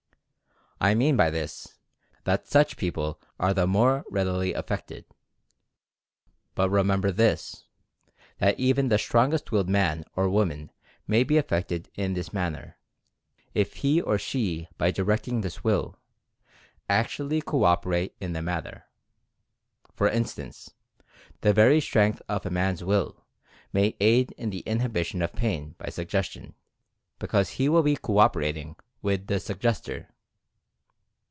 I mean by this, that such people are the more readily affected. But, remember this, that even the strongest willed man or woman may be affected in this manner, if he or she will by directing this Will, actually co operate in the matter. For instance, the very strength of a man's Will may aid in the inhibition of pain by Suggestion, because he will be co operating with the Suggestor.